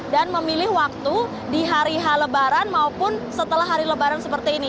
dan memilih waktu di hari h lebaran maupun setelah hari lebaran seperti ini